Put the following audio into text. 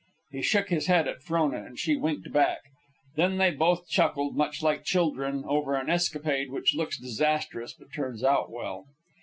He shook his head at Frona, and she winked back; then they both chuckled, much like children over an escapade which looks disastrous but turns out well.